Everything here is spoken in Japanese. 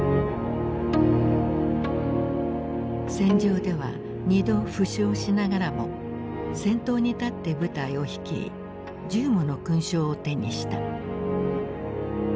戦場では２度負傷しながらも先頭に立って部隊を率い１０もの勲章を手にした。